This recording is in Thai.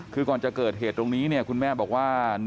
คือก่อนจะเกิดเหตุตรงนี้เนี่ยคุณแม่บอกว่า